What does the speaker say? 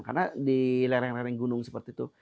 karena di lereng lereng gunung seperti itu